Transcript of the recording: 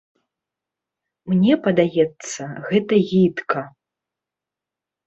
Мне падаецца, гэта гідка.